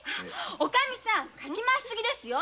おかみさんかき回し過ぎですよ。